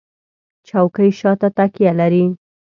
چوکۍ شاته تکیه لري.